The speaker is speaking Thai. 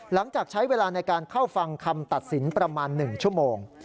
หลังจากใช้เวลาในการเข้าฟังคำตัดสินประมาณ๑ชั่วโมง